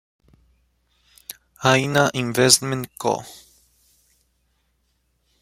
Haina Investment Co.